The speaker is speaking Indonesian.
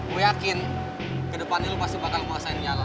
gue yakin ke depannya lo pasti bakal merasain nyala